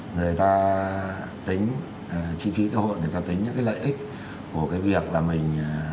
người ta tính chi phí tổ hội người ta tính những lợi ích của cái việc là mình